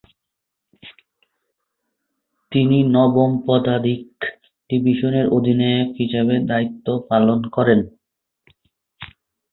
তিনি নবম পদাতিক ডিভিশনের অধিনায়ক হিসেবে দায়িত্ব পালন করেন।